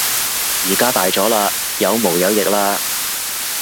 而家大咗喇，有毛有翼喇